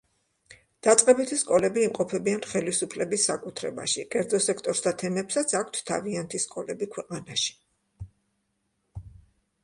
დაწყებითი სკოლები იმყოფებიან ხელისუფლების საკუთრებაში, კერძო სექტორს და თემებსაც აქვთ თავიანთი სკოლები ქვეყანაში.